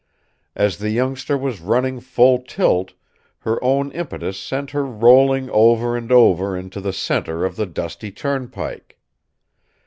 As the youngster was running full tilt, her own impetus sent her rolling over and over into the center of the dusty turnpike.